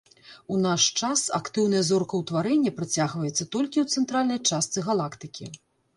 У наш час актыўнае зоркаўтварэнне працягваецца толькі ў цэнтральнай частцы галактыкі.